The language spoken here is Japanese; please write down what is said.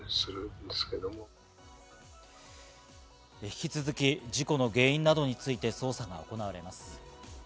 引き続き事故の原因などについて捜査が行われます。